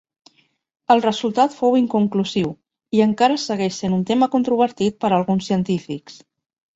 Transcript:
El resultat fou inconclusiu, i encara segueix sent un tema controvertit per alguns científics.